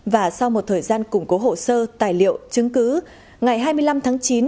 và sau một thời gian củng cố hồ sơ tài liệu chứng cứ ngày hai mươi năm tháng chín